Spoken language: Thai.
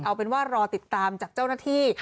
เอาเป็นว่ารอติดตามจากเจ้าหน้าที่